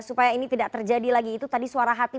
supaya ini tidak terjadi lagi itu tadi suara hati